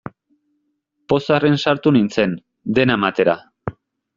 Pozarren sartu nintzen, dena ematera.